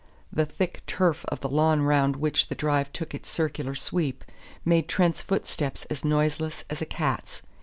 The thick turf of the lawn round which the drive took its circular sweep made Trent's footsteps as noiseless as a cat's.